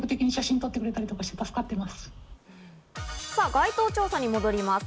街頭調査に戻ります。